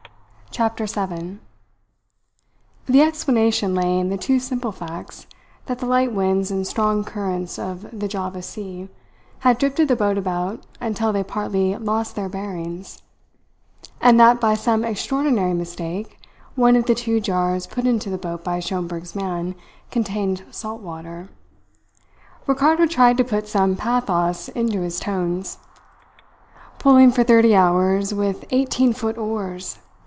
CHAPTER SEVEN The explanation lay in the two simple facts that the light winds and strong currents of the Java Sea had drifted the boat about until they partly lost their bearings; and that by some extra ordinary mistake one of the two jars put into the boat by Schomberg's man contained salt water. Ricardo tried to put some pathos into his tones. Pulling for thirty hours with eighteen foot oars!